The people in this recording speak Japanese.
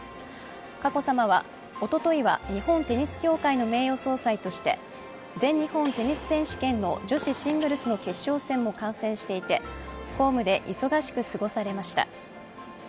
佳子さまはおとといは日本テニス協会の名誉総裁として全日本テニス選手権の女子シングルスの決勝戦も観戦していて公務で忙しく過ごされました。